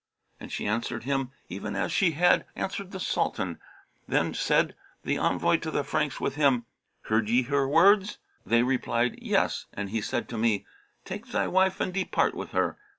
and she answered him even as she had answered the Sultan. Then said the envoy to the Franks with him, 'Heard ye her words?' They replied, 'Yes.' And he said to me, 'Take thy wife and depart with her.'